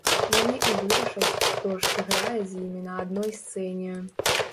Яны і вырашаць, хто ж сыграе з імі на адной сцэне.